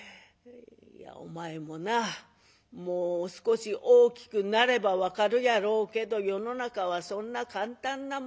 「いやお前もなもう少し大きくなれば分かるやろうけど世の中はそんな簡単なもんじゃない」。